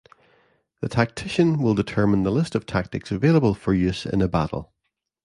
The tactician will determine the list of tactics available for use in a battle.